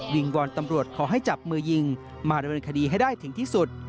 งวอนตำรวจขอให้จับมือยิงมาดำเนินคดีให้ได้ถึงที่สุด